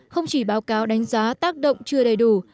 không chỉ báo cáo đánh giá tác động chưa đầy đủ